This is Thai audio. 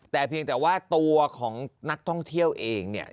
แต่เพียงแต่ว่าตัวของนักท่องเที่ยวเองเนี่ย